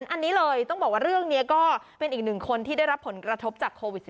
อันนี้เลยต้องบอกว่าเรื่องนี้ก็เป็นอีกหนึ่งคนที่ได้รับผลกระทบจากโควิด๑๙